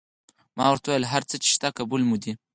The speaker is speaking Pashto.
ما ورته وویل: هر څه چې شته قبول مو دي.